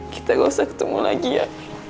kita gak usah ketemu lagi ya